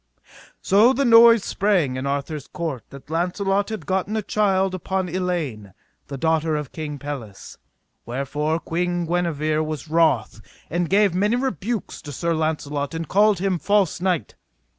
So the noise sprang in Arthur's court that Launcelot had gotten a child upon Elaine, the daughter of King Pelles, wherefore Queen Guenever was wroth, and gave many rebukes to Sir Launcelot, and called him false knight.